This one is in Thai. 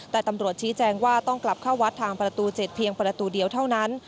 แต่ตำรวจชี้แจงว่าต้องกลับเข้าวัดทางประตู๗เพียงประตูเดียวเท่านั้น